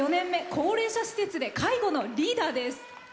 高齢者施設で介護のリーダーです。